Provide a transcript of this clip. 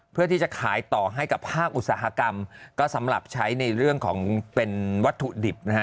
เพื่อที่จะขายต่อให้กับภาคอุตสาหกรรมก็สำหรับใช้ในเรื่องของเป็นวัตถุดิบนะฮะ